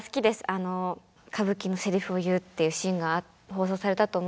あの歌舞伎のセリフを言うっていうシーンが放送されたと思うんですけど。